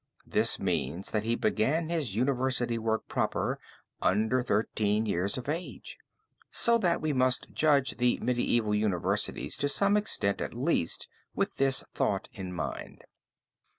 This means that he began his university work proper under 13 years of age; so that we must judge the medieval universities to some extent at least with this thought in mind.